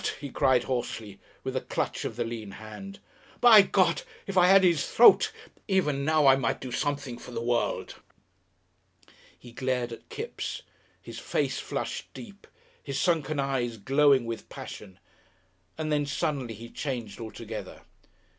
he cried hoarsely, with a clutch of the lean hand. "By God! If I had his throat! Even now I might do something for the world." He glared at Kipps, his face flushed deep, his sunken eyes glowing with passion, and then suddenly he changed altogether.